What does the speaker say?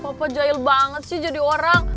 papa jahil banget sih jadi orang